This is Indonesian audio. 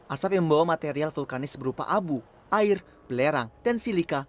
asap yang membawa material vulkanis berupa abu air belerang dan silika